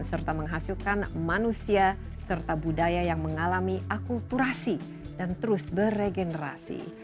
serta menghasilkan manusia serta budaya yang mengalami akulturasi dan terus beregenerasi